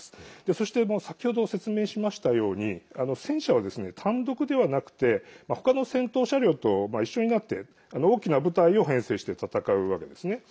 そして先ほど説明しましたように戦車は単独ではなくて他の戦闘車両と一緒になって大きな部隊を編成して戦うわけですね。